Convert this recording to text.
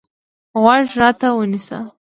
غوږ راته ونیسه.